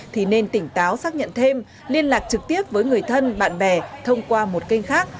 thì nên tỉnh táo xác nhận thêm liên lạc trực tiếp với người thân bạn bè thông qua một kênh khác